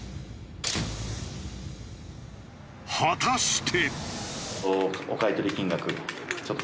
果たして。